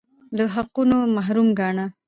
له حقونو محروم ګاڼه